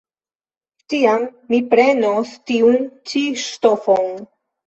Tiam mi prenos tiun ĉi ŝtofon.